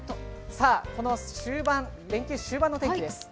この連休終盤の天気です。